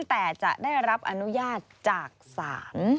แต่จะได้รับอนุญาตจากศาล